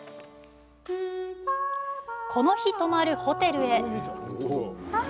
この日泊まるホテルへ。